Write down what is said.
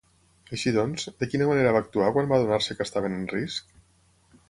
Així doncs, de quina manera va actuar quan va adonar-se que estaven en risc?